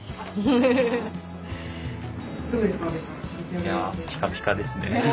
いやピカピカですね。